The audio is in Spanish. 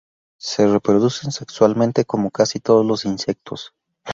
Se reproducen sexualmente, como casi todos los insectos.